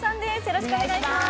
よろしくお願いします